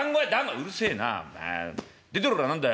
「うるせえな出てるから何だよ」。